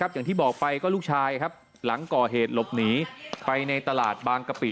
อย่างที่บอกไปก็ลูกชายครับหลังก่อเหตุหลบหนีไปในตลาดบางกะปิ